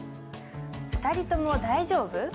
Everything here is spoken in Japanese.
２人とも大丈夫？